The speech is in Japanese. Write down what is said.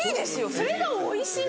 それがおいしいんです。